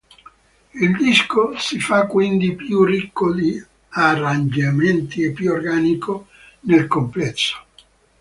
Il disco si fa quindi più ricco di arrangiamenti e più organico nel complesso.